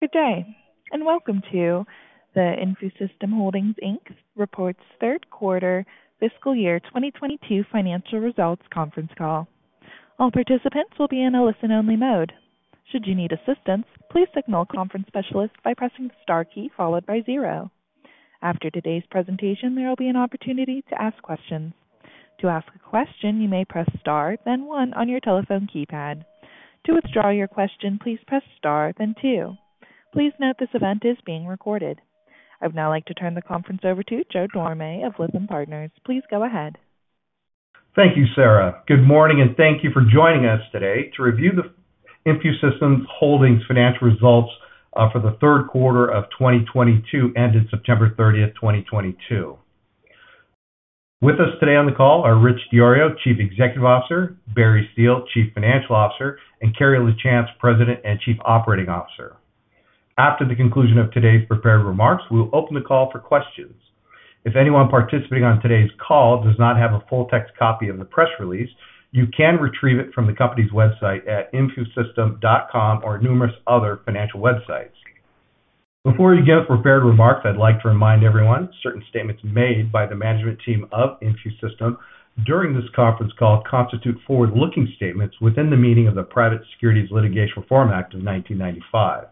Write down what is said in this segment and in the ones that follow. Good day. Welcome to the InfuSystem Holdings, Inc. reports third quarter fiscal year 2022 financial results conference call. All participants will be in a listen-only mode. Should you need assistance, please signal a conference specialist by pressing star key followed by 0. After today's presentation, there will be an opportunity to ask questions. To ask a question, you may press star then 1 on your telephone keypad. To withdraw your question, please press star then 2. Please note this event is being recorded. I would now like to turn the conference over to Joe Dorame of Lytham Partners. Please go ahead. Thank you, Sarah. Good morning. Thank you for joining us today to review the InfuSystem Holdings financial results for the third quarter of 2022, ended September 30th, 2022. With us today on the call are Richard DiIorio, Chief Executive Officer, Barry Steele, Chief Financial Officer, and Carrie Lachance, President and Chief Operating Officer. After the conclusion of today's prepared remarks, we'll open the call for questions. If anyone participating on today's call does not have a full text copy of the press release, you can retrieve it from the company's website at infusystem.com or numerous other financial websites. Before we give prepared remarks, I'd like to remind everyone, certain statements made by the management team of InfuSystem during this conference call constitute forward-looking statements within the meaning of the Private Securities Litigation Reform Act of 1995.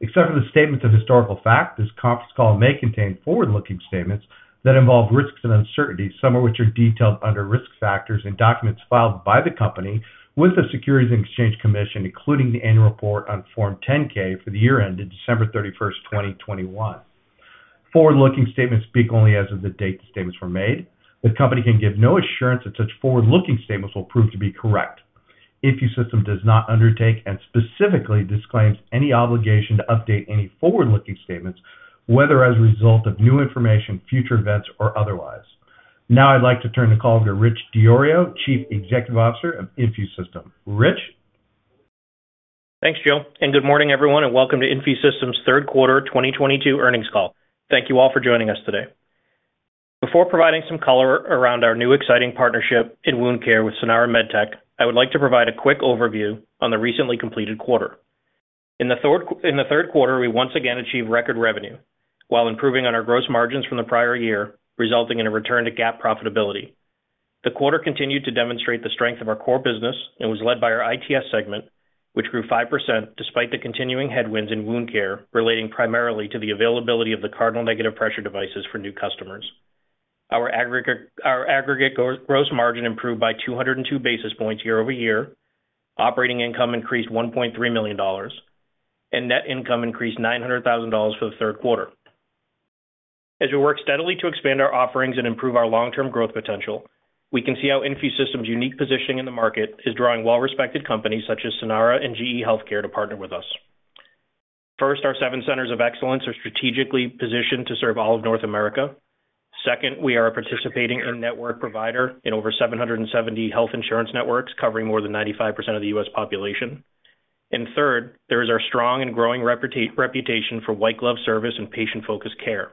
Except for the statements of historical fact, this conference call may contain forward-looking statements that involve risks and uncertainties, some of which are detailed under risk factors and documents filed by the company with the Securities and Exchange Commission, including the annual report on Form 10-K for the year ended December 31st, 2021. Forward-looking statements speak only as of the date the statements were made. The company can give no assurance that such forward-looking statements will prove to be correct. InfuSystem does not undertake and specifically disclaims any obligation to update any forward-looking statements, whether as a result of new information, future events, or otherwise. Now I'd like to turn the call over to Richard DiIorio, Chief Executive Officer of InfuSystem. Rich? Thanks, Joe. Good morning, everyone. Welcome to InfuSystem's third quarter 2022 earnings call. Thank you all for joining us today. Before providing some color around our new exciting partnership in wound care with Sanara MedTech, I would like to provide a quick overview on the recently completed quarter. In the third quarter, we once again achieved record revenue while improving on our gross margins from the prior year, resulting in a return to GAAP profitability. The quarter continued to demonstrate the strength of our core business and was led by our ITS segment, which grew 5% despite the continuing headwinds in wound care relating primarily to the availability of the Cardinal negative pressure devices for new customers. Our aggregate gross margin improved by 202 basis points year-over-year. Operating income increased $1.3 million. Net income increased $900,000 for the third quarter. As we work steadily to expand our offerings and improve our long-term growth potential, we can see how InfuSystem's unique positioning in the market is drawing well-respected companies such as Sanara and GE HealthCare to partner with us. First, our seven centers of excellence are strategically positioned to serve all of North America. Second, we are a participating in-network provider in over 770 health insurance networks, covering more than 95% of the U.S. population. Third, there is our strong and growing reputation for white glove service and patient-focused care.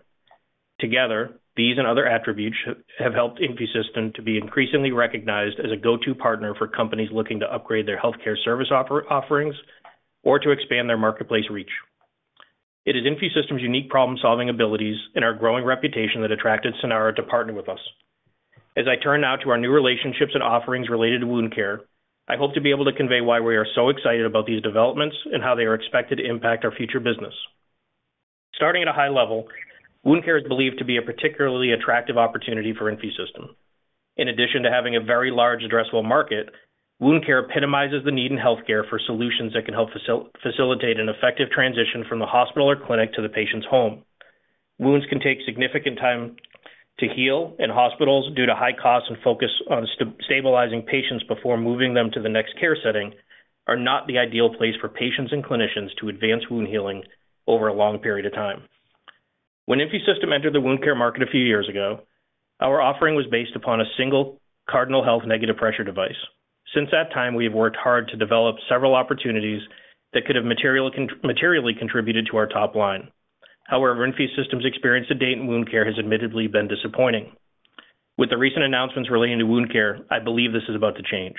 Together, these and other attributes have helped InfuSystem to be increasingly recognized as a go-to partner for companies looking to upgrade their healthcare service offerings or to expand their marketplace reach. It is InfuSystem's unique problem-solving abilities and our growing reputation that attracted Sanara to partner with us. As I turn now to our new relationships and offerings related to wound care, I hope to be able to convey why we are so excited about these developments and how they are expected to impact our future business. Starting at a high level, wound care is believed to be a particularly attractive opportunity for InfuSystem. In addition to having a very large addressable market, wound care epitomizes the need in healthcare for solutions that can help facilitate an effective transition from the hospital or clinic to the patient's home. Wounds can take significant time to heal, and hospitals, due to high cost and focus on stabilizing patients before moving them to the next care setting, are not the ideal place for patients and clinicians to advance wound healing over a long period of time. When InfuSystem entered the wound care market a few years ago, our offering was based upon a single Cardinal Health negative pressure device. Since that time, we have worked hard to develop several opportunities that could have materially contributed to our top line. However, InfuSystem's experience to date in wound care has admittedly been disappointing. With the recent announcements relating to wound care, I believe this is about to change.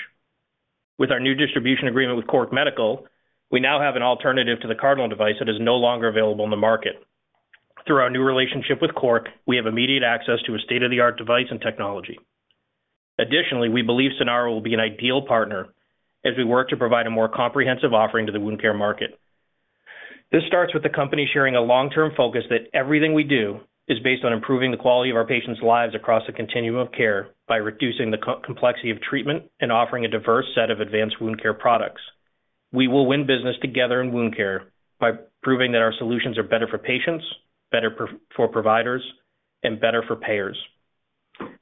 With our new distribution agreement with Cork Medical, we now have an alternative to the Cardinal device that is no longer available in the market. Through our new relationship with Cork, we have immediate access to a state-of-the-art device and technology. Additionally, we believe Sanara will be an ideal partner as we work to provide a more comprehensive offering to the wound care market. This starts with the company sharing a long-term focus that everything we do is based on improving the quality of our patients' lives across the continuum of care by reducing the complexity of treatment and offering a diverse set of advanced wound care products. We will win business together in wound care by proving that our solutions are better for patients, better for providers, and better for payers.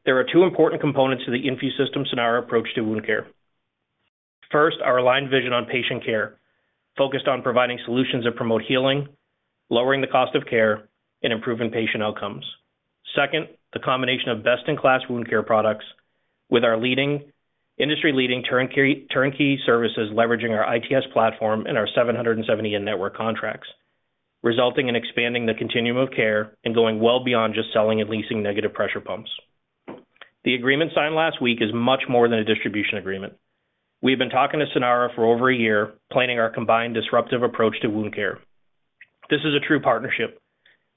There are two important components to the InfuSystem Sanara approach to wound care. First, our aligned vision on patient care, focused on providing solutions that promote healing, lowering the cost of care, and improving patient outcomes. Second, the combination of best-in-class wound care products with our industry-leading turnkey services leveraging our ITS platform and our 770 in-network contracts, resulting in expanding the continuum of care and going well beyond just selling and leasing negative pressure pumps. The agreement signed last week is much more than a distribution agreement. We have been talking to Sanara for over a year, planning our combined disruptive approach to wound care. This is a true partnership,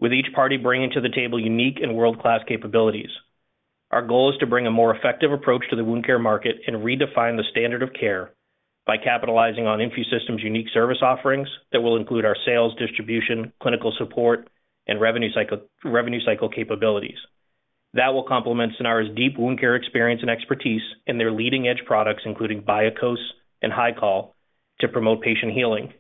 with each party bringing to the table unique and world-class capabilities. Our goal is to bring a more effective approach to the wound care market and redefine the standard of care by capitalizing on InfuSystem's unique service offerings that will include our sales, distribution, clinical support, and revenue cycle capabilities. That will complement Sanara's deep wound care experience and expertise in their leading-edge products, including BIAKŌS and Hycol, to promote patient healing.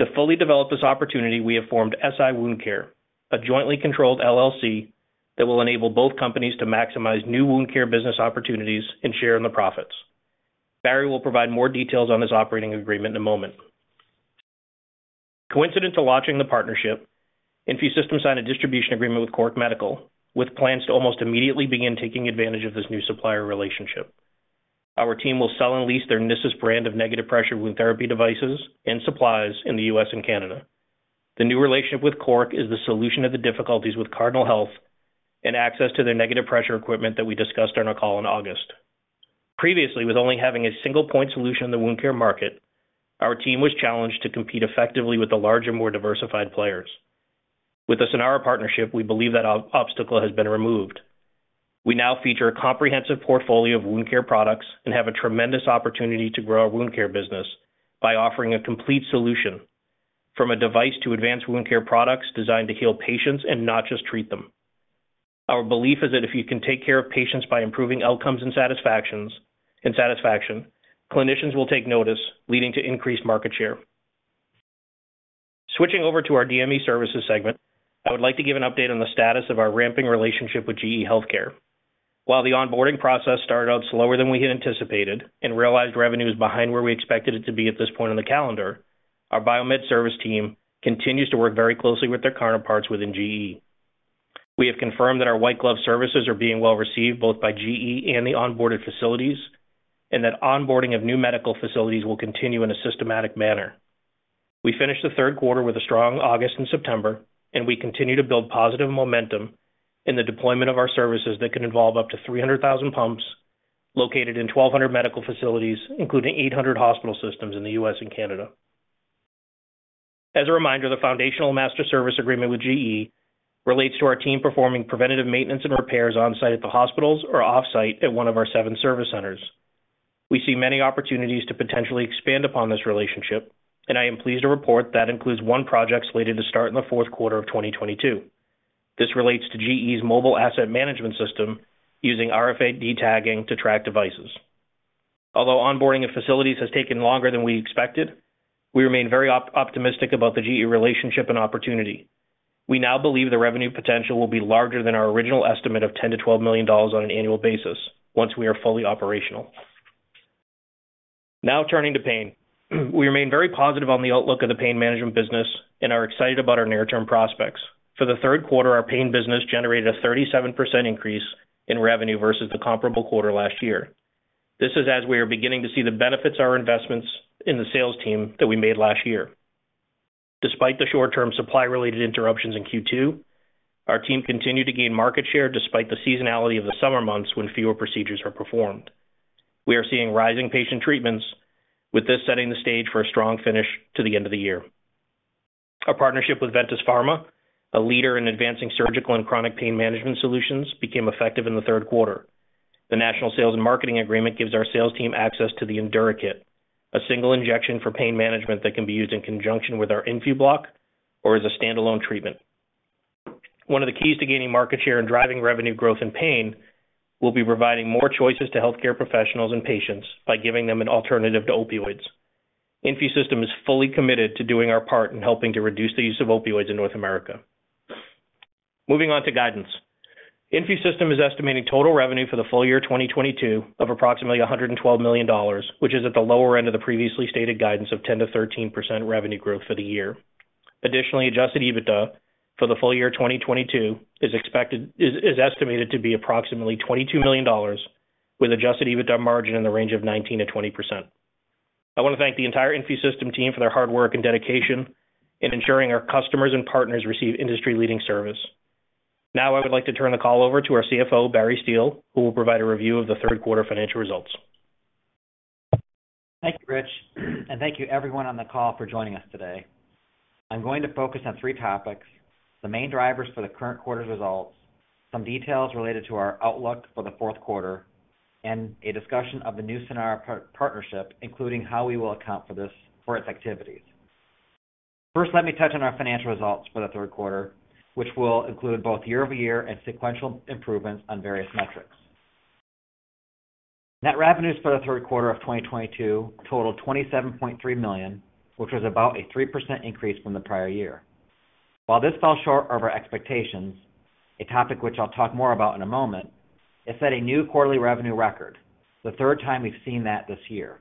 To fully develop this opportunity, we have formed SI Wound Care, a jointly controlled LLC that will enable both companies to maximize new wound care business opportunities and share in the profits. Barry will provide more details on this operating agreement in a moment. Coincident to launching the partnership, InfuSystem signed a distribution agreement with Cork Medical, with plans to almost immediately begin taking advantage of this new supplier relationship. Our team will sell and lease their Nisus brand of negative pressure wound therapy devices and supplies in the U.S. and Canada. The new relationship with Cork is the solution of the difficulties with Cardinal Health and access to their negative pressure equipment that we discussed on our call in August. Previously, with only having a single-point solution in the wound care market, our team was challenged to compete effectively with the larger, more diversified players. With the Sanara partnership, we believe that obstacle has been removed. We now feature a comprehensive portfolio of wound care products and have a tremendous opportunity to grow our wound care business by offering a complete solution from a device to advanced wound care products designed to heal patients and not just treat them. Our belief is that if you can take care of patients by improving outcomes and satisfaction, clinicians will take notice, leading to increased market share. Switching over to our DME services segment, I would like to give an update on the status of our ramping relationship with GE HealthCare. While the onboarding process started out slower than we had anticipated and realized revenue is behind where we expected it to be at this point in the calendar, our biomed service team continues to work very closely with their counterparts within GE. We have confirmed that our white glove services are being well received both by GE and the onboarded facilities, and that onboarding of new medical facilities will continue in a systematic manner. We finished the third quarter with a strong August and September, and we continue to build positive momentum in the deployment of our services that can involve up to 300,000 pumps located in 1,200 medical facilities, including 800 hospital systems in the U.S. and Canada. As a reminder, the foundational master service agreement with GE relates to our team performing preventative maintenance and repairs on-site at the hospitals or off-site at one of our seven service centers. We see many opportunities to potentially expand upon this relationship, and I am pleased to report that includes one project slated to start in the fourth quarter of 2022. This relates to GE's mobile asset management system using RFID tagging to track devices. Although onboarding of facilities has taken longer than we expected, we remain very optimistic about the GE relationship and opportunity. We now believe the revenue potential will be larger than our original estimate of $10 million-$12 million on an annual basis once we are fully operational. Turning to pain. We remain very positive on the outlook of the pain management business and are excited about our near-term prospects. For the third quarter, our pain business generated a 37% increase in revenue versus the comparable quarter last year. This is as we are beginning to see the benefits of our investments in the sales team that we made last year. Despite the short-term supply-related interruptions in Q2, our team continued to gain market share despite the seasonality of the summer months when fewer procedures are performed. We are seeing rising patient treatments, with this setting the stage for a strong finish to the end of the year. Our partnership with Ventis Pharma, a leader in advancing surgical and chronic pain management solutions, became effective in the third quarter. The national sales and marketing agreement gives our sales team access to the Endura-Kit, a single injection for pain management that can be used in conjunction with our InfuBLOCK or as a standalone treatment. One of the keys to gaining market share and driving revenue growth in pain will be providing more choices to healthcare professionals and patients by giving them an alternative to opioids. InfuSystem is fully committed to doing our part in helping to reduce the use of opioids in North America. Moving on to guidance. InfuSystem is estimating total revenue for the full year 2022 of approximately $112 million, which is at the lower end of the previously stated guidance of 10%-13% revenue growth for the year. Adjusted EBITDA for the full year 2022 is estimated to be approximately $22 million, with adjusted EBITDA margin in the range of 19%-20%. I want to thank the entire InfuSystem team for their hard work and dedication in ensuring our customers and partners receive industry-leading service. Now, I would like to turn the call over to our CFO, Barry Steele, who will provide a review of the third quarter financial results. Thank you, Rich, and thank you everyone on the call for joining us today. I'm going to focus on three topics, the main drivers for the current quarter's results, some details related to our outlook for the fourth quarter, and a discussion of the new Sanara partnership, including how we will account for its activities. Let me touch on our financial results for the third quarter, which will include both year-over-year and sequential improvements on various metrics. Net revenues for the third quarter of 2022 totaled $27.3 million, which was about a 3% increase from the prior year. While this fell short of our expectations, a topic which I'll talk more about in a moment, it set a new quarterly revenue record, the third time we've seen that this year.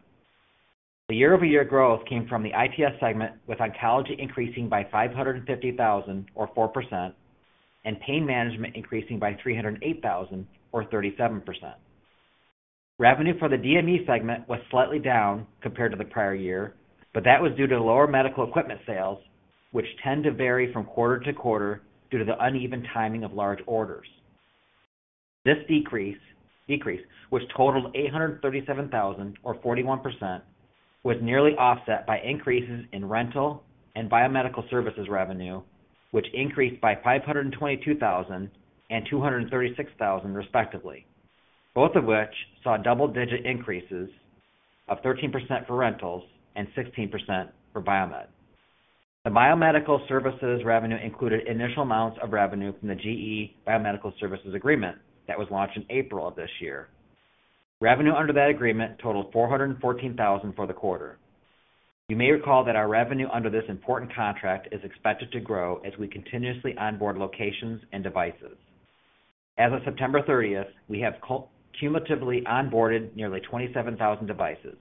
The year-over-year growth came from the ITS segment, with oncology increasing by $550,000 or 4%, and pain management increasing by $308,000 or 37%. Revenue for the DME segment was slightly down compared to the prior year, but that was due to lower medical equipment sales, which tend to vary from quarter to quarter due to the uneven timing of large orders. This decrease, which totaled $837,000 or 41%, was nearly offset by increases in rental and biomedical services revenue, which increased by $522,000 and $236,000 respectively, both of which saw double-digit increases of 13% for rentals and 16% for biomed. The biomedical services revenue included initial amounts of revenue from the GE Biomedical Services agreement that was launched in April of this year. Revenue under that agreement totaled $414,000 for the quarter. You may recall that our revenue under this important contract is expected to grow as we continuously onboard locations and devices. As of September 30th, we have cumulatively onboarded nearly 27,000 devices.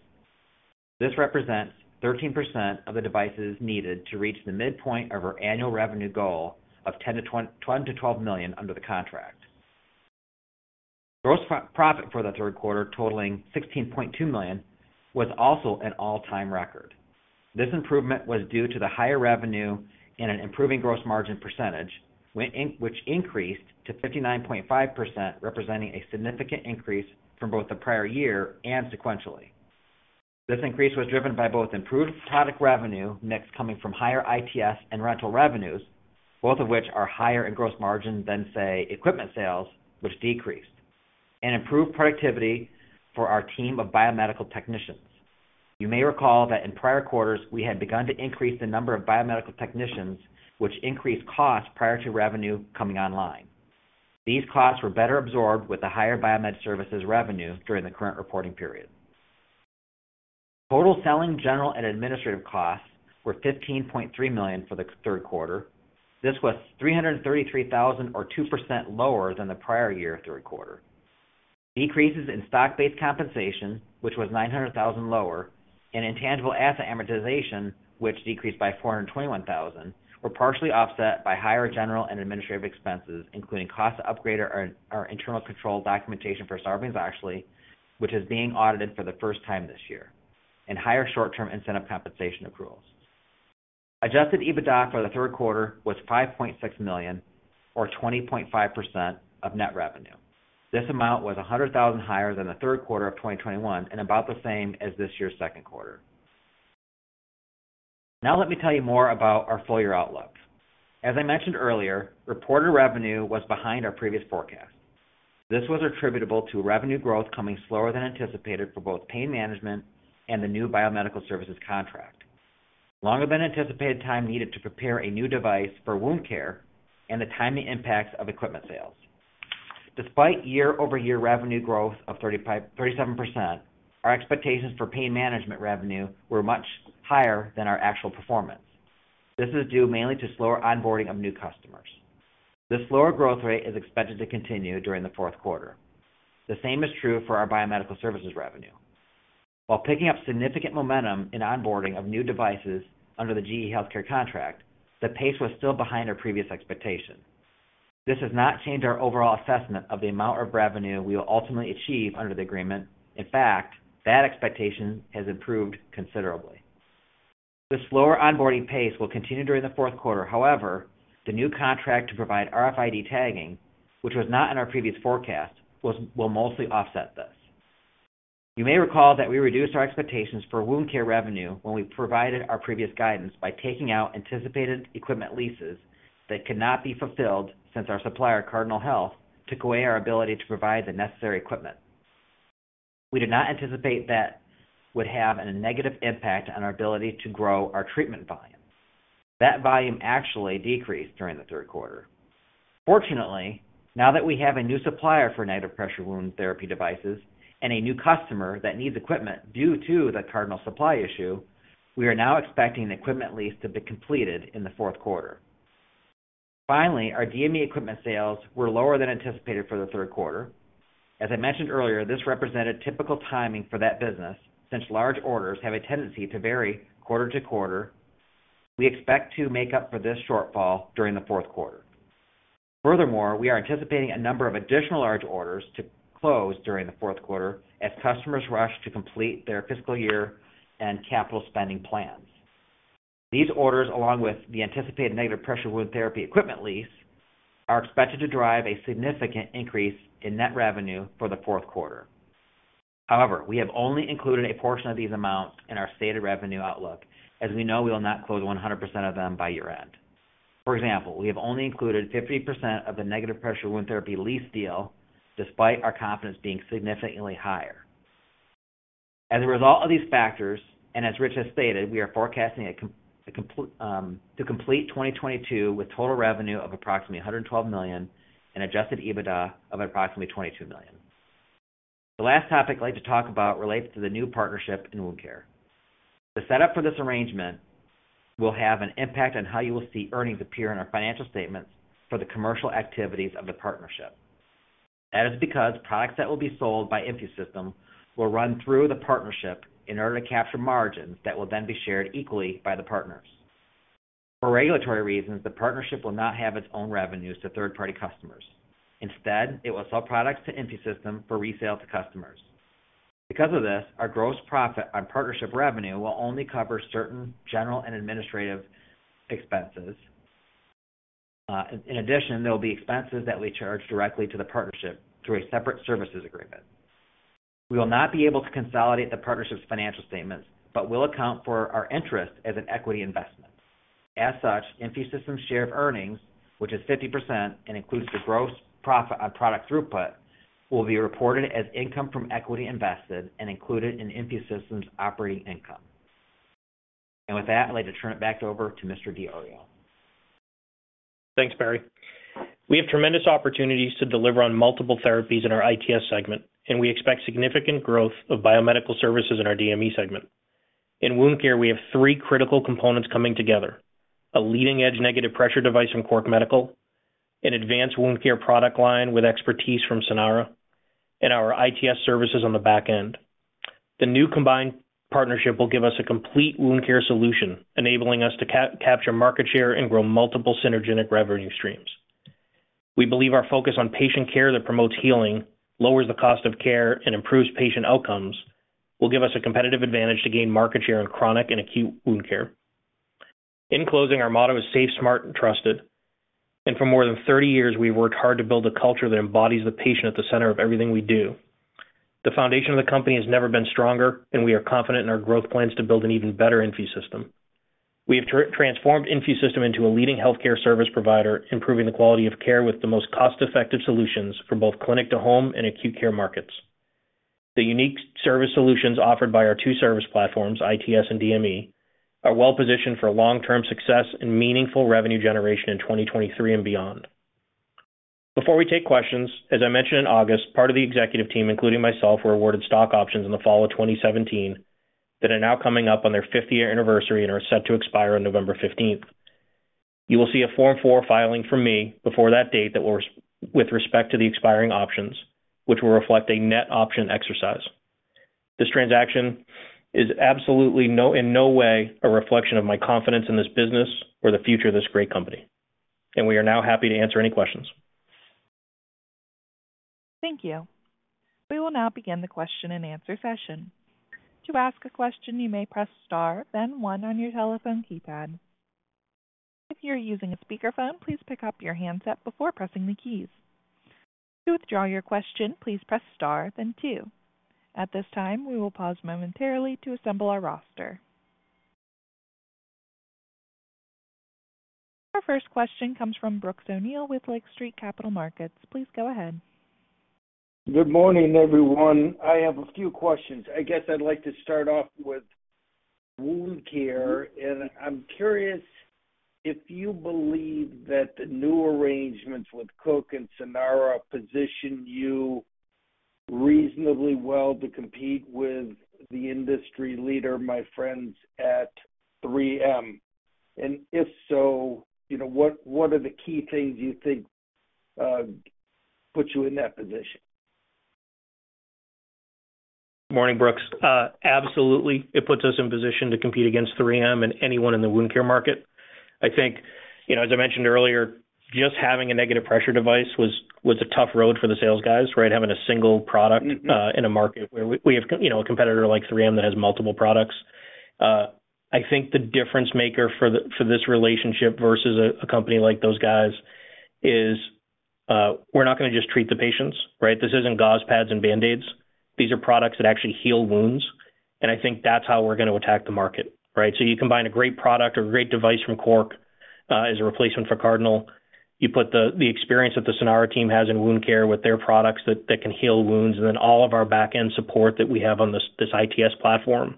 This represents 13% of the devices needed to reach the midpoint of our annual revenue goal of $10 million-$12 million under the contract. Gross profit for the third quarter totaling $16.2 million was also an all-time record. This improvement was due to the higher revenue and an improving gross margin percentage, which increased to 59.5%, representing a significant increase from both the prior year and sequentially. This increase was driven by both improved product revenue mix coming from higher ITS and rental revenues, both of which are higher in gross margin than, say, equipment sales, which decreased, and improved productivity for our team of biomedical technicians. You may recall that in prior quarters, we had begun to increase the number of biomedical technicians, which increased costs prior to revenue coming online. These costs were better absorbed with the higher biomed services revenue during the current reporting period. Total selling, general, and administrative costs were $15.3 million for the third quarter. This was $333,000 or 2% lower than the prior year third quarter. Decreases in stock-based compensation, which was $900,000 lower, and intangible asset amortization, which decreased by $421,000, were partially offset by higher general and administrative expenses, including costs to upgrade our internal control documentation for Sarbanes-Oxley, which is being audited for the first time this year, and higher short-term incentive compensation accruals. Adjusted EBITDA for the third quarter was $5.6 million or 20.5% of net revenue. This amount was $100,000 higher than the third quarter of 2021 and about the same as this year's second quarter. Let me tell you more about our full-year outlook. As I mentioned earlier, reported revenue was behind our previous forecast. This was attributable to revenue growth coming slower than anticipated for both pain management and the new biomedical services contract. Longer than anticipated time needed to prepare a new device for wound care and the timing impacts of equipment sales. Despite year-over-year revenue growth of 37%, our expectations for pain management revenue were much higher than our actual performance. This is due mainly to slower onboarding of new customers. This slower growth rate is expected to continue during the fourth quarter. The same is true for our biomedical services revenue. While picking up significant momentum in onboarding of new devices under the GE HealthCare contract, the pace was still behind our previous expectation. This has not changed our overall assessment of the amount of revenue we will ultimately achieve under the agreement. In fact, that expectation has improved considerably. The slower onboarding pace will continue during the fourth quarter. The new contract to provide RFID tagging, which was not in our previous forecast, will mostly offset this. You may recall that we reduced our expectations for wound care revenue when we provided our previous guidance by taking out anticipated equipment leases that could not be fulfilled since our supplier, Cardinal Health, took away our ability to provide the necessary equipment. We did not anticipate that would have a negative impact on our ability to grow our treatment volumes. That volume actually decreased during the third quarter. Fortunately, now that we have a new supplier for negative pressure wound therapy devices and a new customer that needs equipment due to the Cardinal supply issue, we are now expecting the equipment lease to be completed in the fourth quarter. Our DME equipment sales were lower than anticipated for the third quarter. As I mentioned earlier, this represented typical timing for that business since large orders have a tendency to vary quarter to quarter. We expect to make up for this shortfall during the fourth quarter. We are anticipating a number of additional large orders to close during the fourth quarter as customers rush to complete their fiscal year and capital spending plans. These orders, along with the anticipated negative pressure wound therapy equipment lease, are expected to drive a significant increase in net revenue for the fourth quarter. We have only included a portion of these amounts in our stated revenue outlook, as we know we will not close 100% of them by year-end. For example, we have only included 50% of the negative pressure wound therapy lease deal despite our confidence being significantly higher. As a result of these factors, and as Rich has stated, we are forecasting to complete 2022 with total revenue of approximately $112 million and adjusted EBITDA of approximately $22 million. The last topic I'd like to talk about relates to the new partnership in wound care. The setup for this arrangement will have an impact on how you will see earnings appear in our financial statements for the commercial activities of the partnership. That is because products that will be sold by InfuSystem will run through the partnership in order to capture margins that will then be shared equally by the partners. For regulatory reasons, the partnership will not have its own revenues to third-party customers. Instead, it will sell products to InfuSystem for resale to customers. Because of this, our gross profit on partnership revenue will only cover certain general and administrative expenses. There will be expenses that we charge directly to the partnership through a separate services agreement. We will not be able to consolidate the partnership's financial statements, but will account for our interest as an equity investment. As such, InfuSystem's share of earnings, which is 50% and includes the gross profit on product throughput, will be reported as income from equity invested and included in InfuSystem's operating income. With that, I'd like to turn it back over to Mr. Dilorio. Thanks, Barry. We have tremendous opportunities to deliver on multiple therapies in our ITS segment, and we expect significant growth of biomedical services in our DME segment. In wound care, we have three critical components coming together, a leading-edge negative pressure device from Cork Medical, an advanced wound care product line with expertise from Sanara, and our ITS services on the back end. The new combined partnership will give us a complete wound care solution, enabling us to capture market share and grow multiple synergetic revenue streams. We believe our focus on patient care that promotes healing, lowers the cost of care, and improves patient outcomes will give us a competitive advantage to gain market share in chronic and acute wound care. In closing, our motto is "Safe, smart, and trusted." For more than 30 years, we've worked hard to build a culture that embodies the patient at the center of everything we do. The foundation of the company has never been stronger, and we are confident in our growth plans to build an even better InfuSystem. We have transformed InfuSystem into a leading healthcare service provider, improving the quality of care with the most cost-effective solutions for both clinic-to-home and acute care markets. The unique service solutions offered by our two service platforms, ITS and DME, are well-positioned for long-term success and meaningful revenue generation in 2023 and beyond. Before we take questions, as I mentioned in August, part of the executive team, including myself, were awarded stock options in the fall of 2017 that are now coming up on their fifth-year anniversary and are set to expire on November 15th. You will see a Form 4 filing from me before that date with respect to the expiring options, which will reflect a net option exercise. This transaction is absolutely in no way a reflection of my confidence in this business or the future of this great company. We are now happy to answer any questions. Thank you. We will now begin the question and answer session. To ask a question, you may press star then one on your telephone keypad. If you are using a speakerphone, please pick up your handset before pressing the keys. To withdraw your question, please press star then two. At this time, we will pause momentarily to assemble our roster. Our first question comes from Brooks O'Neil with Lake Street Capital Markets. Please go ahead. Good morning, everyone. I have a few questions. I guess I'd like to start off with wound care. I'm curious if you believe that the new arrangements with Cork and Sanara position you reasonably well to compete with the industry leader, my friends at 3M. If so, what are the key things you think put you in that position? Morning, Brooks. Absolutely, it puts us in position to compete against 3M and anyone in the wound care market. I think, as I mentioned earlier, just having a negative pressure device was a tough road for the sales guys, right? Having a single product in a market where we have a competitor like 3M that has multiple products. I think the difference maker for this relationship versus a company like those guys is we're not going to just treat the patients, right? This isn't gauze pads and BAND-AIDs. These are products that actually heal wounds. I think that's how we're going to attack the market, right? You combine a great product or a great device from Cork as a replacement for Cardinal. You put the experience that the Sanara team has in wound care with their products that can heal wounds, all of our back-end support that we have on this ITS platform.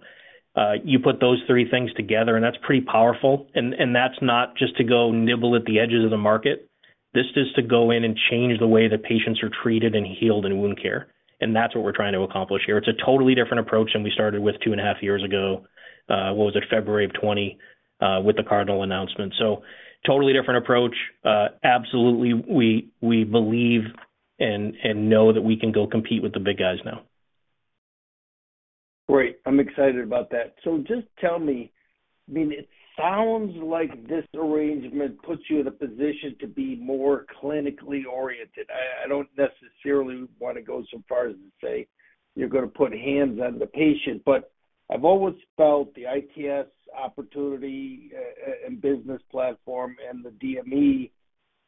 You put those three things together, that's pretty powerful. That's not just to go nibble at the edges of the market. This is to go in and change the way that patients are treated and healed in wound care. That's what we're trying to accomplish here. It's a totally different approach than we started with 2.5 years ago, what was it? February of 2020 with the Cardinal announcement. Totally different approach. Absolutely, we believe and know that we can go compete with the big guys now. Great. I'm excited about that. Just tell me, it sounds like this arrangement puts you in a position to be more clinically oriented. I don't necessarily want to go so far as to say you're going to put hands on the patient, but I've always felt the ITS opportunity and business platform and the DME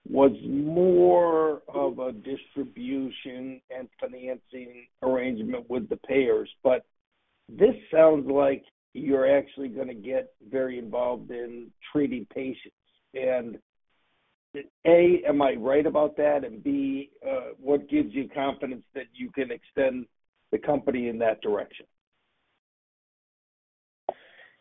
was more of a distribution and financing arrangement with the payers. This sounds like you're actually going to get very involved in treating patients. A, am I right about that? B, what gives you confidence that you can extend the company in that direction?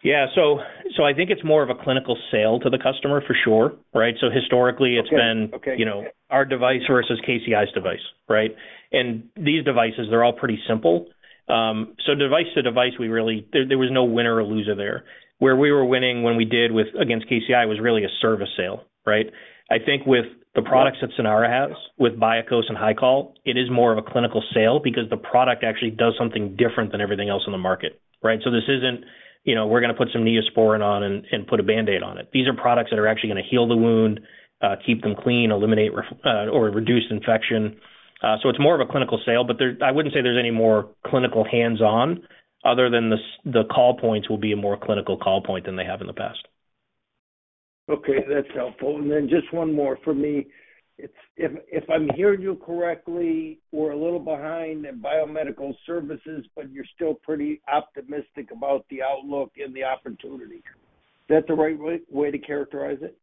Yeah. I think it's more of a clinical sale to the customer for sure, right? Historically it's been- Okay our device versus KCI's device, right? These devices, they're all pretty simple. Device to device, there was no winner or loser there. Where we were winning when we did against KCI was really a service sale, right? I think with the products that Sanara has with BIAKŌS and Hycol, it is more of a clinical sale because the product actually does something different than everything else on the market, right? This isn't we're going to put some NEOSPORIN on and put a BAND-AID on it. These are products that are actually going to heal the wound, keep them clean, eliminate or reduce infection. It's more of a clinical sale, but I wouldn't say there's any more clinical hands-on other than the call points will be a more clinical call point than they have in the past. Okay, that's helpful. Then just one more from me. If I'm hearing you correctly, we're a little behind in biomedical services, but you're still pretty optimistic about the outlook and the opportunity. Is that the right way to characterize it?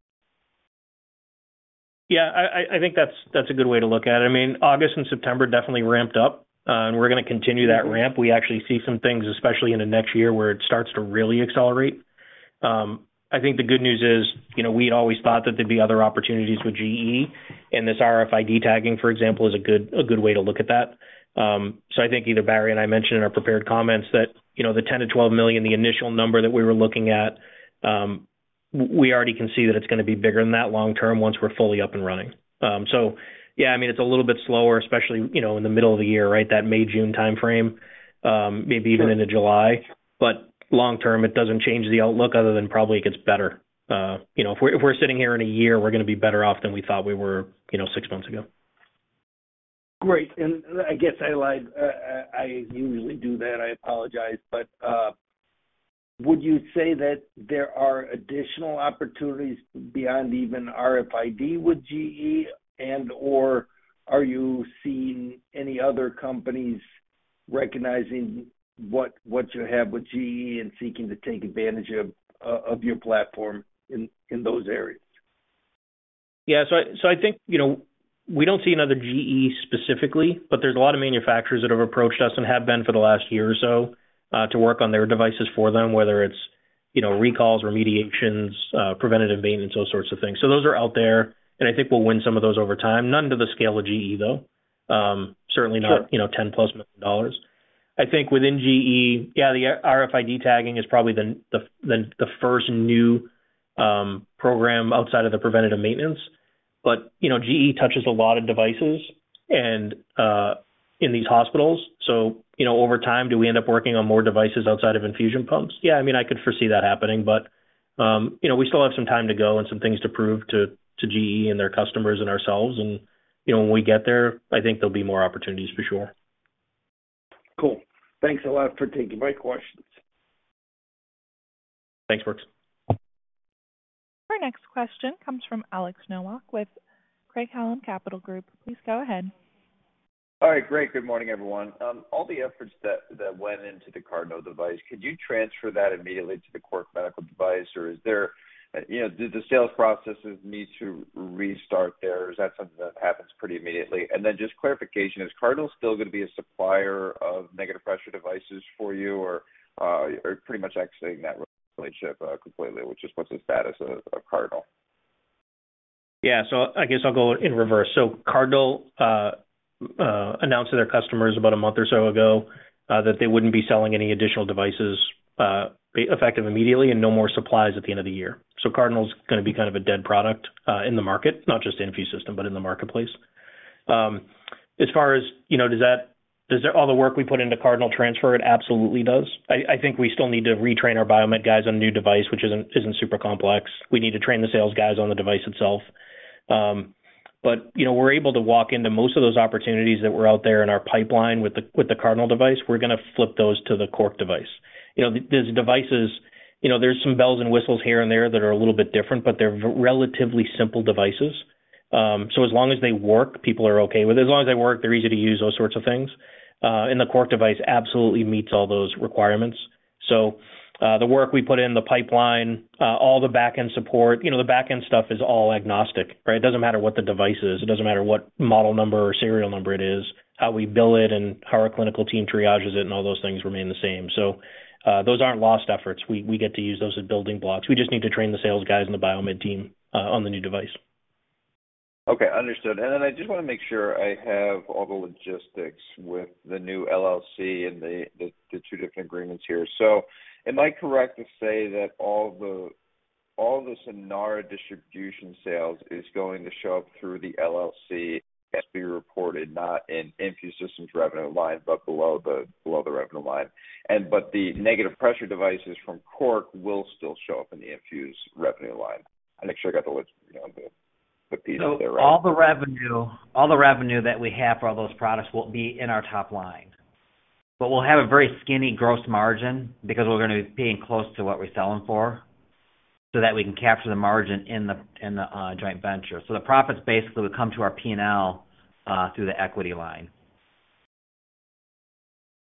I think that's a good way to look at it. August and September definitely ramped up, and we're going to continue that ramp. We actually see some things, especially in the next year, where it starts to really accelerate. I think the good news is, we always thought that there'd be other opportunities with GE, and this RFID tagging, for example, is a good way to look at that. I think either Barry and I mentioned in our prepared comments that the $10 million to $12 million, the initial number that we were looking at, we already can see that it's going to be bigger than that long term once we're fully up and running. It's a little bit slower, especially in the middle of the year, right? That May, June timeframe, maybe even into July. Long term, it doesn't change the outlook other than probably it gets better. If we're sitting here in a year, we're going to be better off than we thought we were six months ago. Great. I guess I lied. I usually do that, I apologize, would you say that there are additional opportunities beyond even RFID with GE? Are you seeing any other companies recognizing what you have with GE and seeking to take advantage of your platform in those areas? I think, we don't see another GE specifically, there's a lot of manufacturers that have approached us and have been for the last year or so, to work on their devices for them, whether it's recalls, remediations, preventative maintenance, those sorts of things. Those are out there, I think we'll win some of those over time. None to the scale of GE, though. Certainly not $10+ million. I think within GE, the RFID tagging is probably the first new program outside of the preventative maintenance. GE touches a lot of devices and in these hospitals. Over time, do we end up working on more devices outside of infusion pumps? I could foresee that happening, we still have some time to go and some things to prove to GE and their customers and ourselves. When we get there, I think there'll be more opportunities for sure. Cool. Thanks a lot for taking my questions. Thanks, Brooks. Our next question comes from Alex Nowak with Craig-Hallum Capital Group. Please go ahead. All right, great. Good morning, everyone. All the efforts that went into the Cardinal device, could you transfer that immediately to the Cork Medical device, or does the sales processes need to restart there, or is that something that happens pretty immediately? Just clarification, is Cardinal still going to be a supplier of negative pressure devices for you or pretty much exiting that relationship completely? Just what's the status of Cardinal? Yeah. I guess I'll go in reverse. Cardinal announced to their customers about a month or so ago that they wouldn't be selling any additional devices effective immediately and no more supplies at the end of the year. Cardinal's going to be kind of a dead product in the market, not just InfuSystem, but in the marketplace. As far as, does all the work we put into Cardinal transfer? It absolutely does. I think we still need to retrain our biomed guys on a new device, which isn't super complex. We need to train the sales guys on the device itself. We're able to walk into most of those opportunities that were out there in our pipeline with the Cardinal device. We're going to flip those to the Cork device. There's some bells and whistles here and there that are a little bit different, they're relatively simple devices. As long as they work, people are okay with it. As long as they work, they're easy to use, those sorts of things. The Cork device absolutely meets all those requirements. The work we put in the pipeline, all the back end support, the back end stuff is all agnostic, right? It doesn't matter what the device is, it doesn't matter what model number or serial number it is. How we bill it and how our clinical team triages it and all those things remain the same. Those aren't lost efforts. We get to use those as building blocks. We just need to train the sales guys and the biomed team on the new device. Okay, understood. I just want to make sure I have all the logistics with the new LLC and the two different agreements here. Am I correct to say that all the Sanara distribution sales is going to show up through the LLC and be reported not in InfuSystem's revenue line, but below the revenue line. The negative pressure devices from Cork will still show up in the Infuse revenue line. I want to make sure I got the words put these out there right. All the revenue that we have for all those products will be in our top line. We'll have a very skinny gross margin because we're going to be paying close to what we're selling for so that we can capture the margin in the joint venture. The profits basically would come to our P&L through the equity line.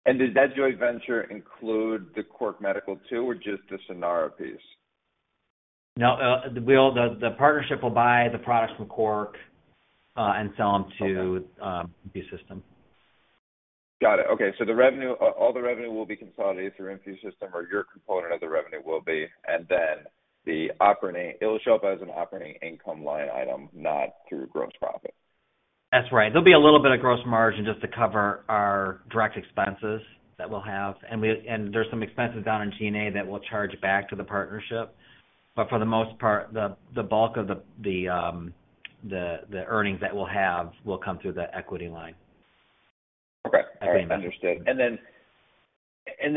Does that joint venture include the Cork Medical too, or just the Sanara piece? No. The partnership will buy the products from Cork and sell them to InfuSystem. Got it. Okay. All the revenue will be consolidated through InfuSystem, or your component of the revenue will be, and then it'll show up as an operating income line item, not through gross profit. That's right. There'll be a little bit of gross margin just to cover our direct expenses that we'll have. There's some expenses down in G&A that we'll charge back to the partnership. For the most part, the bulk of the earnings that we'll have will come through the equity line. Okay. All right, understood.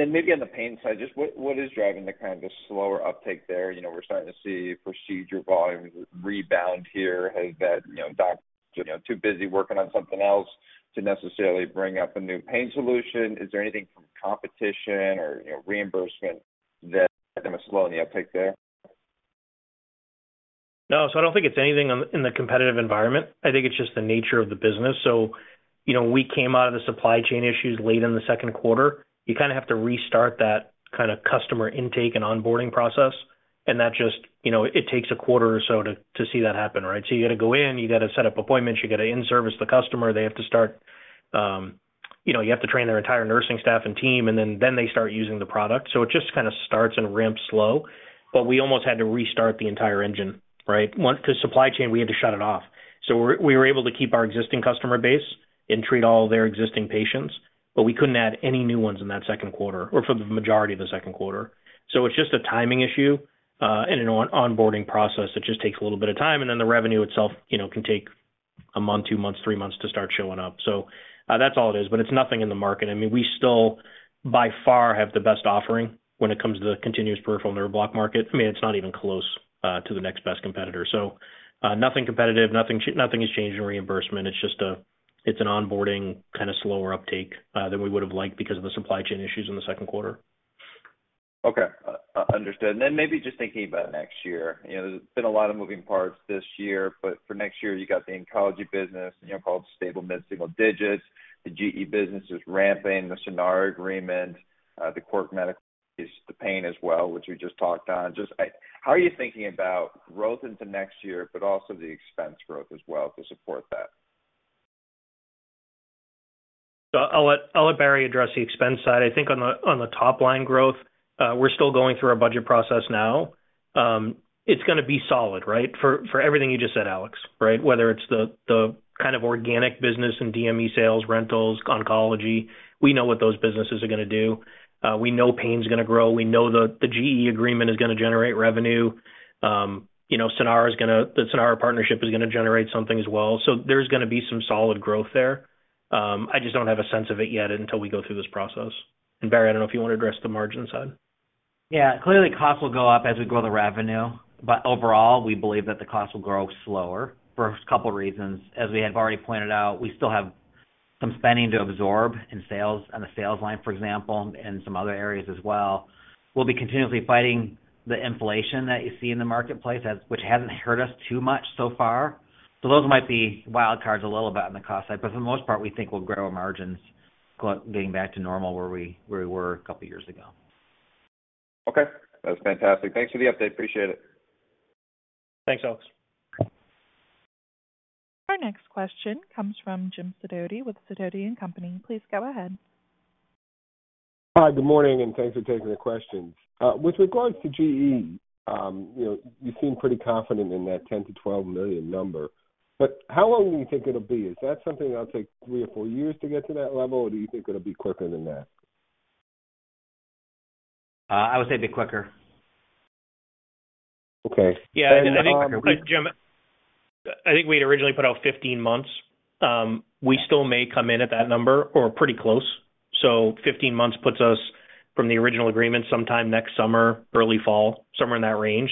Maybe on the pain side, just what is driving the kind of slower uptake there? We're starting to see procedure volumes rebound here. Doctors are too busy working on something else to necessarily bring up a new pain solution. Is there anything from competition or reimbursement that might have been slowing the uptake there? No. I don't think it's anything in the competitive environment. I think it's just the nature of the business. We came out of the supply chain issues late in the second quarter. You kind of have to restart that kind of customer intake and onboarding process. That just, it takes a quarter or so to see that happen, right? You've got to go in, you've got to set up appointments, you've got to in-service the customer. You have to train their entire nursing staff and team, and then they start using the product. It just kind of starts and ramps slow. We almost had to restart the entire engine, right? Because supply chain, we had to shut it off. We were able to keep our existing customer base and treat all their existing patients, but we couldn't add any new ones in that second quarter, or for the majority of the second quarter. It's just a timing issue, and an onboarding process that just takes a little bit of time, and then the revenue itself can take a month, two months, three months to start showing up. That's all it is, but it's nothing in the market. I mean, we still, by far, have the best offering when it comes to the continuous peripheral nerve block market. I mean, it's not even close to the next best competitor. Nothing competitive, nothing has changed in reimbursement. It's an onboarding, kind of slower uptake, than we would've liked because of the supply chain issues in the second quarter. Okay. Understood. Maybe just thinking about next year, there's been a lot of moving parts this year, for next year, you got the oncology business, called stable mid-single digits. The GE business is ramping, the Sanara agreement, the Cork Medical, the pain as well, which we just talked on. Just, how are you thinking about growth into next year, also the expense growth as well to support that? I'll let Barry address the expense side. I think on the top line growth, we're still going through our budget process now. It's going to be solid, right? For everything you just said, Alex, right? Whether it's the kind of organic business and DME sales, rentals, oncology. We know what those businesses are going to do. We know pain's going to grow. We know the GE agreement is going to generate revenue. The Sanara partnership is going to generate something as well. There's going to be some solid growth there. I just don't have a sense of it yet until we go through this process. Barry, I don't know if you want to address the margin side. Clearly costs will go up as we grow the revenue. Overall, we believe that the cost will grow slower for a couple reasons. As we have already pointed out, we still have some spending to absorb in sales, on the sales line, for example, and some other areas as well. We'll be continuously fighting the inflation that you see in the marketplace, which hasn't hurt us too much so far. Those might be wild cards a little bit on the cost side. For the most part, we think we'll grow our margins getting back to normal where we were a couple years ago. That's fantastic. Thanks for the update. Appreciate it. Thanks, Alex. Our next question comes from Jim Sidoti with Sidoti & Company. Please go ahead. Hi, good morning, and thanks for taking the questions. With regards to GE, you seem pretty confident in that $10 million-$12 million number. How long do you think it'll be? Is that something that'll take three or four years to get to that level, or do you think it'll be quicker than that? I would say a bit quicker. Okay. Yeah. Jim, I think we'd originally put out 15 months. We still may come in at that number, or pretty close. 15 months puts us from the original agreement sometime next summer, early fall, somewhere in that range.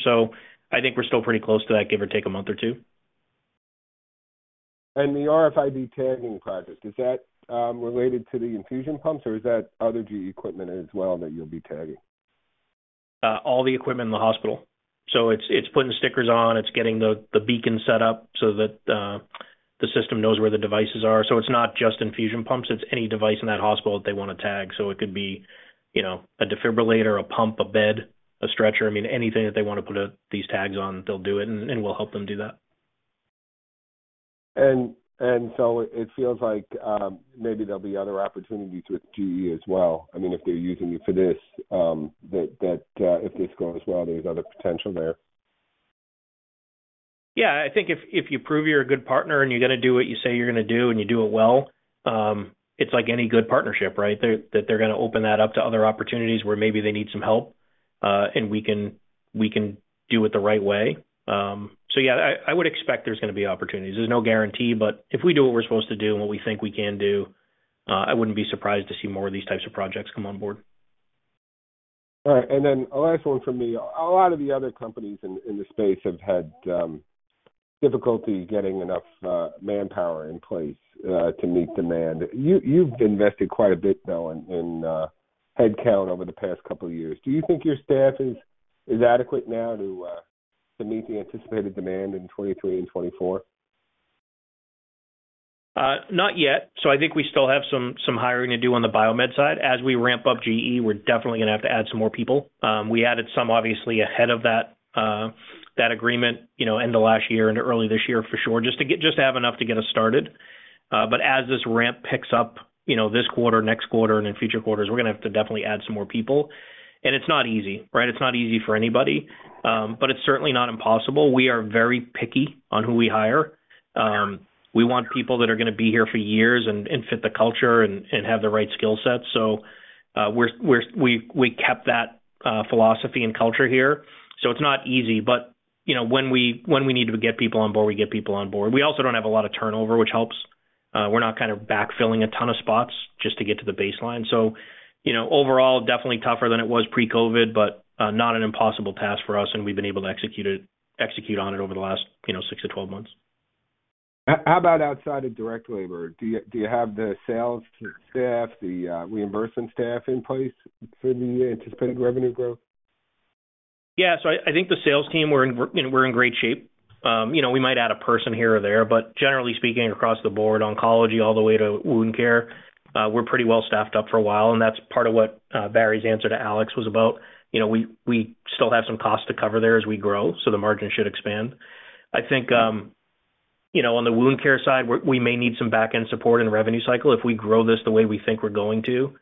I think we're still pretty close to that, give or take a month or two. The RFID tagging project, is that related to the infusion pumps, or is that other GE equipment as well that you'll be tagging? All the equipment in the hospital. It's putting stickers on, it's getting the beacon set up so that the system knows where the devices are. It's not just infusion pumps, it's any device in that hospital that they want to tag. It could be a defibrillator, a pump, a bed, a stretcher. I mean, anything that they want to put these tags on, they'll do it, and we'll help them do that. It feels like maybe there'll be other opportunities with GE as well. I mean, if they're using you for this, that if this goes well, there's other potential there. Yeah. I think if you prove you're a good partner and you're going to do what you say you're going to do and you do it well, it's like any good partnership, right? That they're going to open that up to other opportunities where maybe they need some help, and we can do it the right way. Yeah, I would expect there's going to be opportunities. There's no guarantee, but if we do what we're supposed to do and what we think we can do, I wouldn't be surprised to see more of these types of projects come on board. All right. A last one from me. A lot of the other companies in the space have had difficulty getting enough manpower in place to meet demand. You've invested quite a bit, though, in head count over the past couple years. Do you think your staff is adequate now to meet the anticipated demand in 2023 and 2024? Not yet. I think we still have some hiring to do on the biomed side. As we ramp up GE, we're definitely going to have to add some more people. We added some, obviously, ahead of that agreement, end of last year into early this year for sure, just to have enough to get us started. As this ramp picks up this quarter, next quarter, and in future quarters, we're going to have to definitely add some more people. It's not easy, right? It's not easy for anybody. It's certainly not impossible. We are very picky on who we hire. We want people that are going to be here for years and fit the culture and have the right skill sets. We kept that philosophy and culture here, it's not easy, When we need to get people on board, we get people on board. We also don't have a lot of turnover, which helps. We're not kind of backfilling a ton of spots just to get to the baseline. Overall, definitely tougher than it was pre-COVID, not an impossible task for us, and we've been able to execute on it over the last 6 to 12 months. How about outside of direct labor? Do you have the sales staff, the reimbursement staff in place for the anticipated revenue growth? Yeah. I think the sales team, we're in great shape. We might add a person here or there, but generally speaking, across the board, oncology all the way to wound care, we're pretty well staffed up for a while, and that's part of what Barry's answer to Alex was about. We still have some costs to cover there as we grow, the margin should expand. I think, on the wound care side, we may need some backend support in the revenue cycle. If we grow this the way we think we're going to,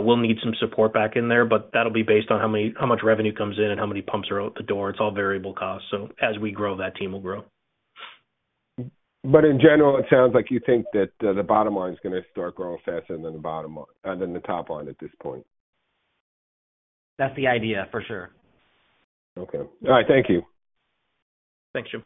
we'll need some support back in there, but that'll be based on how much revenue comes in and how many pumps are out the door. It's all variable costs, as we grow, that team will grow. In general, it sounds like you think that the bottom line's going to start growing faster than the top line at this point. That's the idea, for sure. Okay. All right, thank you. Thanks, Jim.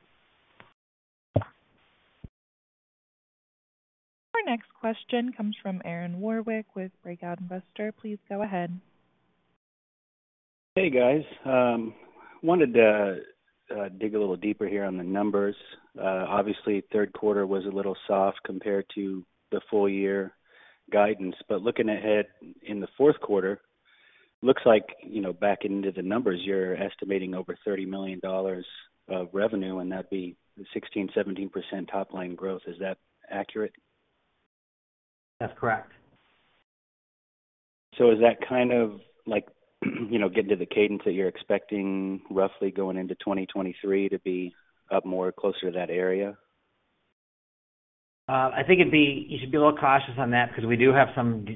Our next question comes from Aaron Warwick with Breakout Investors. Please go ahead. Hey, guys. Wanted to dig a little deeper here on the numbers. Obviously, third quarter was a little soft compared to the full year guidance. Looking ahead in the fourth quarter, looks like, backing into the numbers, you're estimating over $30 million of revenue, and that would be 16%-17% top line growth. Is that accurate? That is correct. Is that kind of getting to the cadence that you are expecting roughly going into 2023 to be up more closer to that area? I think you should be a little cautious on that because we do have some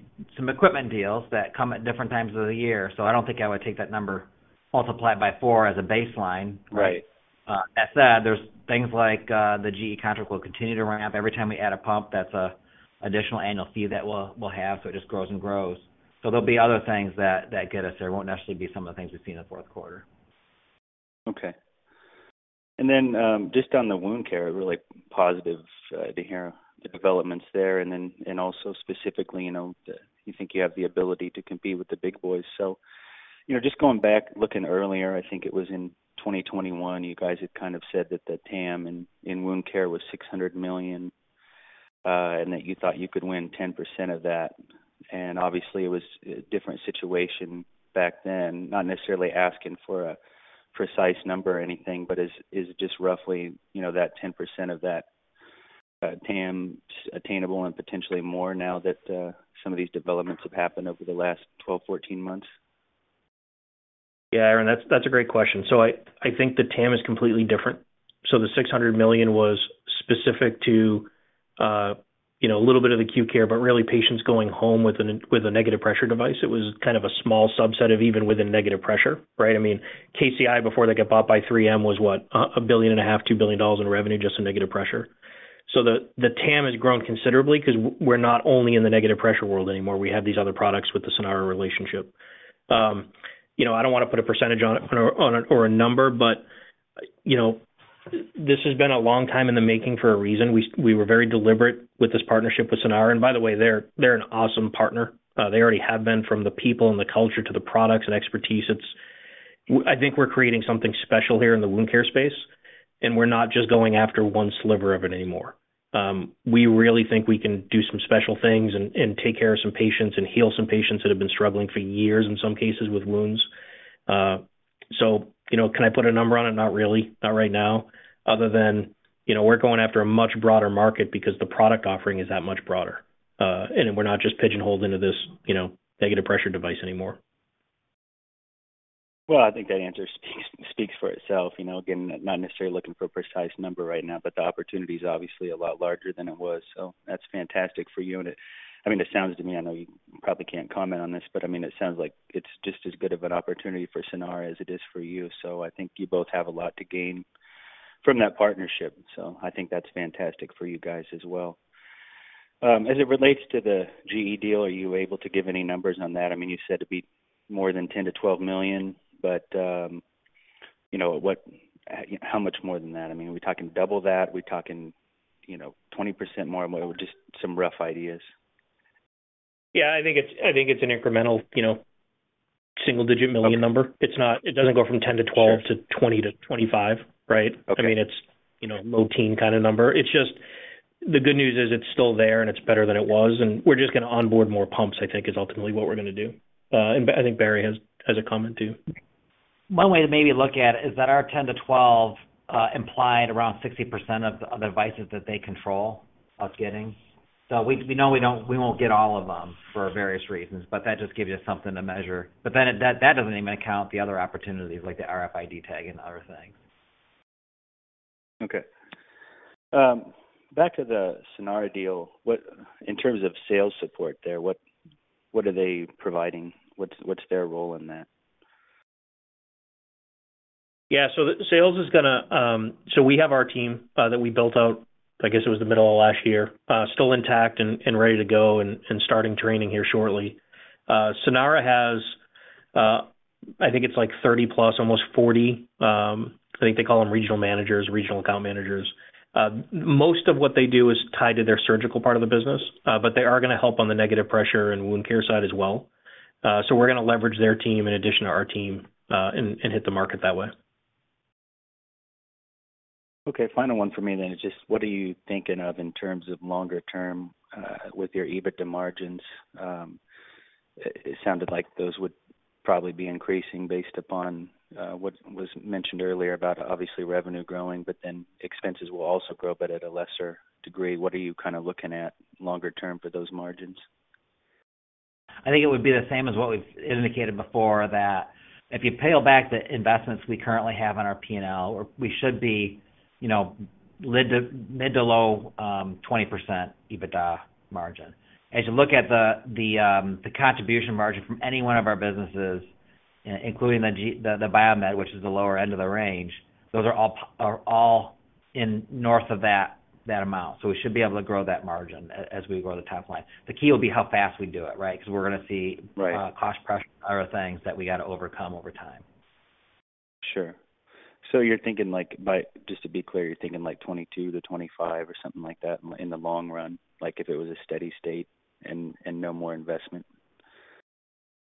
equipment deals that come at different times of the year. I do not think I would take that number, multiply it by four as a baseline. Right. That said, there's things like the GE contract will continue to ramp. Every time we add a pump, that's an additional annual fee that we'll have, so it just grows and grows. There'll be other things that get us there. It won't necessarily be some of the things we've seen in the fourth quarter. Okay. Just on the wound care, really positive to hear the developments there, also specifically, you think you have the ability to compete with the big boys. Just going back, looking earlier, I think it was in 2021, you guys had kind of said that the TAM in wound care was $600 million, and that you thought you could win 10% of that. Obviously it was a different situation back then. Not necessarily asking for a precise number or anything, but is just roughly that 10% of that TAM attainable and potentially more now that some of these developments have happened over the last 12, 14 months? Yeah, Aaron, that's a great question. I think the TAM is completely different. The $600 million was specific to a little bit of acute care, but really patients going home with a negative pressure device. It was kind of a small subset of even within negative pressure, right? I mean, KCI, before they got bought by 3M, was what? $1.5 billion, $2 billion in revenue, just in negative pressure. The TAM has grown considerably because we're not only in the negative pressure world anymore. We have these other products with the Sanara relationship. I don't want to put a percentage on it or a number, but this has been a long time in the making for a reason. We were very deliberate with this partnership with Sanara. By the way, they're an awesome partner. They already have been, from the people and the culture to the products and expertise. I think we're creating something special here in the wound care space, we're not just going after one sliver of it anymore. We really think we can do some special things and take care of some patients and heal some patients that have been struggling for years, in some cases, with wounds. Can I put a number on it? Not really, not right now, other than we're going after a much broader market because the product offering is that much broader. We're not just pigeonholed into this negative pressure device anymore. Well, I think that answer speaks for itself. Again, not necessarily looking for a precise number right now, but the opportunity's obviously a lot larger than it was. That's fantastic for you. It sounds to me, I know you probably can't comment on this, but it sounds like it's just as good of an opportunity for Sanara as it is for you. I think you both have a lot to gain from that partnership. I think that's fantastic for you guys as well. As it relates to the GE deal, are you able to give any numbers on that? You said it'd be more than $10 million-$12 million, how much more than that? Are we talking double that? Are we talking 20% more? Just some rough ideas. I think it's an incremental single-digit million number. Okay. It doesn't go from 10-12 to 20-25, right? Okay. It's low-teen kind of number. The good news is it's still there, it's better than it was, we're just going to onboard more pumps, I think is ultimately what we're going to do. I think Barry has a comment too. One way to maybe look at it is that our 10 to 12 implied around 60% of the devices that they control us getting. We know we won't get all of them for various reasons, but that just gives you something to measure. That doesn't even account the other opportunities like the RFID tag and other things. Okay. Back to the Sanara deal. In terms of sales support there, what are they providing? What's their role in that? Yeah. We have our team that we built out, I guess it was the middle of last year, still intact and ready to go and starting training here shortly. Sanara has, I think it's 30 plus, almost 40, I think they call them regional managers, regional account managers. Most of what they do is tied to their surgical part of the business, but they are going to help on the negative pressure and wound care side as well. We're going to leverage their team in addition to our team, and hit the market that way. Okay. Final one from me then. Just what are you thinking of in terms of longer term with your EBITDA margins? It sounded like those would probably be increasing based upon what was mentioned earlier about obviously revenue growing, but then expenses will also grow, but at a lesser degree. What are you looking at longer term for those margins? I think it would be the same as what we've indicated before, that if you peel back the investments we currently have on our P&L, we should be mid to low 20% EBITDA margin. As you look at the contribution margin from any one of our businesses, including the biomed, which is the lower end of the range, those are all in north of that amount. We should be able to grow that margin as we grow the top line. The key will be how fast we do it, right? Because we're going to see. Right Cost pressure are things that we got to overcome over time. Sure. Just to be clear, you're thinking 22 to 25 or something like that in the long run, if it was a steady state and no more investment?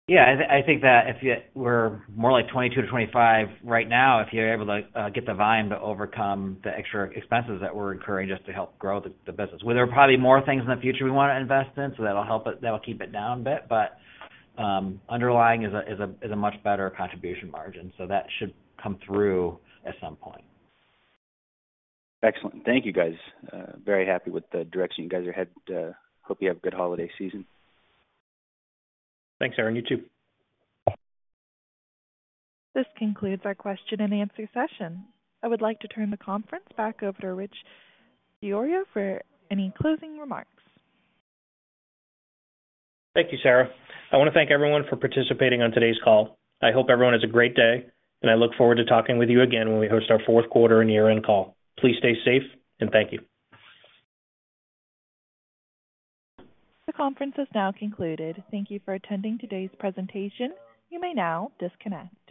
Yeah, I think that if we're more like 22 to 25 right now, if you're able to get the volume to overcome the extra expenses that we're incurring just to help grow the business. There are probably more things in the future we want to invest in, so that'll keep it down a bit, but underlying is a much better contribution margin. That should come through at some point. Excellent. Thank you, guys. Very happy with the direction you guys are headed. Hope you have a good holiday season. Thanks, Aaron. You too. This concludes our question and answer session. I would like to turn the conference back over to Richard DiIorio for any closing remarks. Thank you, Sarah. I want to thank everyone for participating on today's call. I hope everyone has a great day, and I look forward to talking with you again when we host our fourth quarter and year-end call. Please stay safe, and thank you. The conference has now concluded. Thank you for attending today's presentation. You may now disconnect.